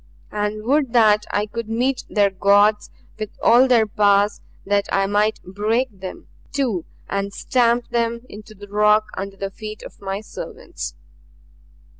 And would that I could meet their gods with all their powers that I might break them, too, and stamp them into the rock under the feet of my servants!"